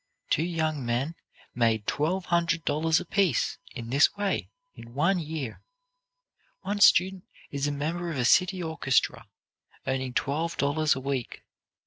Two young men made twelve hundred dollars apiece, in this way, in one year. One student is a member of a city orchestra, earning twelve dollars a week.